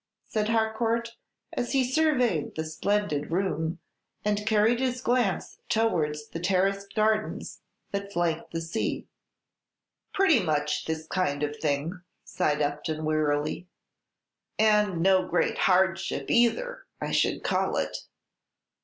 said Harcourt, as he surveyed the splendid room, and carried his glance towards the terraced gardens that flanked the sea. "Pretty much this kind of thing," sighed Upton, wearily. "And no great hardship either, I should call it."